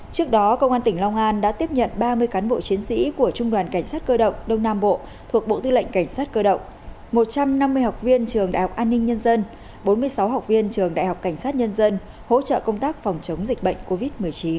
trước đó công an tỉnh long an đã tiếp nhận ba mươi cán bộ chiến sĩ của trung đoàn cảnh sát cơ động đông nam bộ thuộc bộ tư lệnh cảnh sát cơ động một trăm năm mươi học viên trường đại học an ninh nhân dân bốn mươi sáu học viên trường đại học cảnh sát nhân dân hỗ trợ công tác phòng chống dịch bệnh covid một mươi chín